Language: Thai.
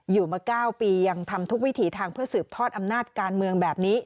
อยู่มา๙ปียังทำทุกวิถีทางเพื่อสืบทอดอำนาจการเมืองแบบนี้